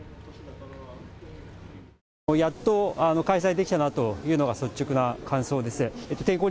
やっと開催できたなというのが率直な感想です。